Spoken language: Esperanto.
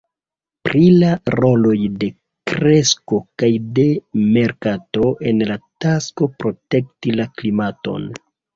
Pri la roloj de kresko kaj de merkato en la tasko protekti la klimaton.